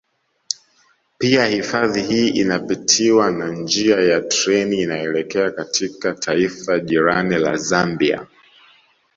Pia hifadhi hii inapitiwa na njia ya treni inayoelekea katika taifa jirani la Zambia